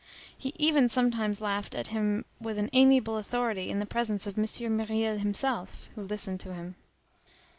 He even sometimes laughed at him with an amiable authority in the presence of M. Myriel himself, who listened to him.